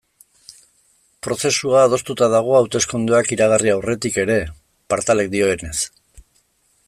Prozesua adostuta dago hauteskundeak iragarri aurretik ere, Partalek dioenez.